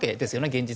現実。